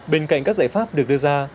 bên cạnh các giải pháp được đưa ra